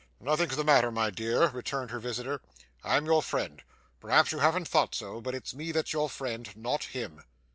'Nothing's the matter, my dear,' returned her visitor. 'I'm your friend. Perhaps you haven't thought so, but it's me that's your friend not him.